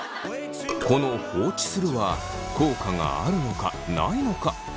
この「放置する」は効果があるのかないのか。